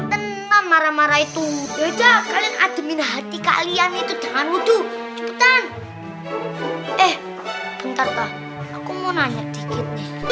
jangan marah marah itu ademin hati kalian itu jangan wudhu cepetan eh bentar aku mau nanya dikit